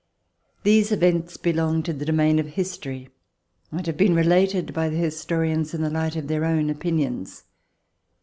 These events belong to the domain of history and have been related by the historians in the light of their own opinions.